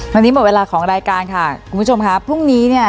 วันนี้หมดเวลาของรายการค่ะคุณผู้ชมค่ะพรุ่งนี้เนี่ย